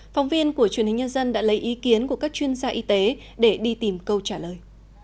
phóng viên của truyền hình nhân dân đã lấy ý kiến của các chuyên gia y tế để đi tìm câu trả lời